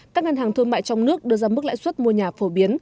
các ngân hàng thương mại trong nước đưa ra mức lãi suất mua nhà phổ biến